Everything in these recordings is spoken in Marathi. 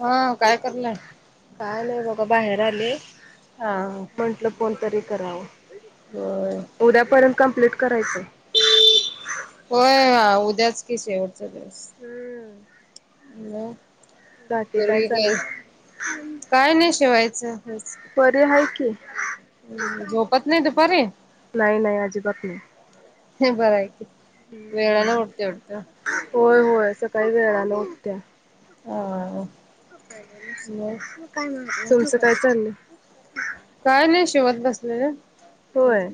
हा काय करलायं काय नाय बघा बाहेर आलेय. हा म्हंटलं फोन तरी करावं होय उद्यापर्यंत कमप्लीट करायचं. होय उद्याच की शेवटचा दिवस. हम्म बाकी काय [unintelligible] चाललंय? काय नाही शिवायचं हेच. परी हाय की, झोपत नाही दुपारी नाही नाही अजिबात नाही. ह बरायकी हम्म होय होय सकाळी वेळना उठल्या. हा मग काय तुमचं काय चाललं? काय नाही शीवत बसले. होय,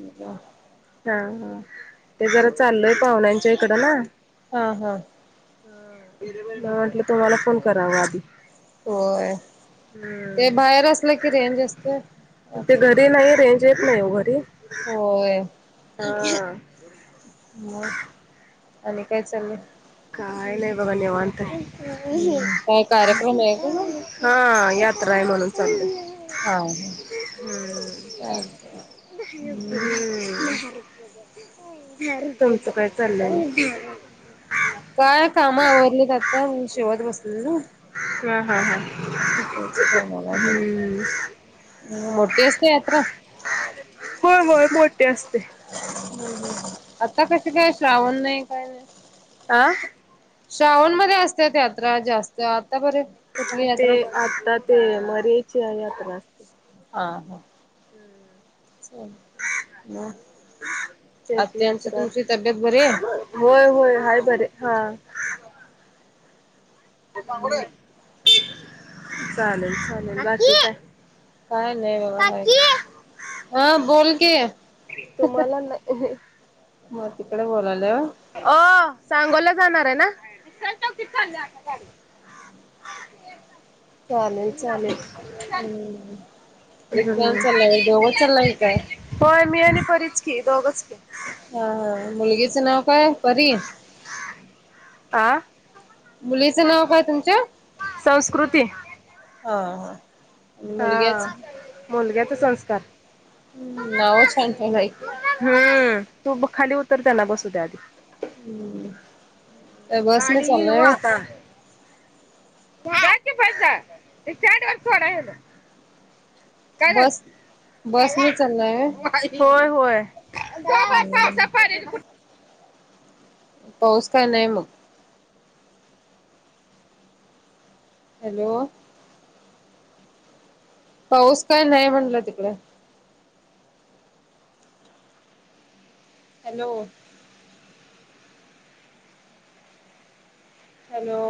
हा हा ते जरा चाललय पाहुण्यांच्या इकडं ना. हा हा. मला वाटलं तुम्हाला फोन करावा आधी. होय, ते हम्म बाहेर असलं की रेंज असतंय. जेप नाही हो घरी. होय. हा. मग आणि काय चाललंय? काय नाय बघा निवांत आहे. काय कार्यक्रम आहे का हा, यात्रा आहे म्हणून चाललोय. हा हा चालतंय. हम्म, तुमचं काय चाललंय? काय काम आवरलीत आता, म्हणून शिवत बसलेलो. हा हा हा. हम्म. मोठी असते यात्रा? होय होय मोठीं असते. ह् ह आता कसे काय श्रावण नाही काय नाही? आ. श्रावण मध्ये असतात यात्रा जास्त, आता बरं कुठली यात्रा? आतात. ते मरी आईची यात्रा अस हा हा. हम्म. हुं त्याची आत्यांची यात्रा तुमची तब्येत बरी आहे? होय होय, हाय बरे. हा. चालेल चालेल. बाकी काय? काय नाही बघा हाय की. काकी हा बोल की. तुम्हाला नाही हा तिकडे बोलावलो? ओ, सांगोला जाणार आहे ना? चालेल चालेल. हम्म. रिक्षान हम्म. चालला व्हय? दोघंच चालला काय? होय. मी आणि परीच की, दोघच की. हा हा. मुलगीचं नाव काय? परी. आ. मुलीचं नाव काय तुमच्या? संस्कृती. हा हा. मुलग्याच हा. मुलग्याच संस्कार. हम्म. नाव छानछान आहेत. हम्म. तू खाली उतर, त्यांना बसू दे आधी. हम्म बसने गाडी इल चाललाय वो व्हय आता. घ्या की पैस, स्टॅण्ड वर सोडा ह्याला. काय झालं? बस चला. बसने चाललाय व्हय माय होय होय. हम्म पाऊस काय नाही मग. हॅलो. पाऊस काय नाही म्हटलं तिकडं. हॅलो. हॅलो.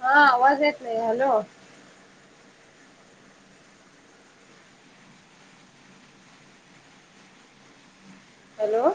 हा, आवाज येत नाही. हॅलो. हॅलो.